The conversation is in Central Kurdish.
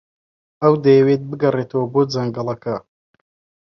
ئەو دەیەوێت بگەڕێتەوە بۆ جەنگەڵەکە.